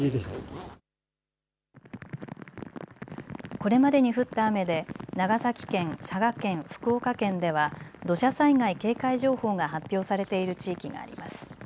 これまでに降った雨で長崎県、佐賀県、福岡県では土砂災害警戒情報が発表されている地域があります。